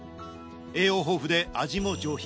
栄養豊富で味も上品。